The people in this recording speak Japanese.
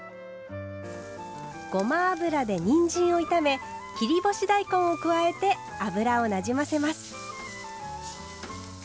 ごま油でにんじんを炒め切り干し大根を加えて油をなじませます。